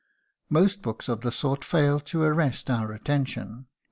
Most books of the sort fail to arrest our attention.